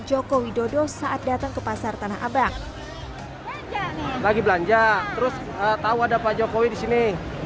joko widodo saat datang ke pasar tanah abang lagi belanja terus tahu ada pak jokowi di sini